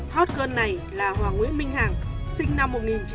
hot girl này là hoàng nguyễn minh hằng sinh năm một nghìn chín trăm chín mươi chín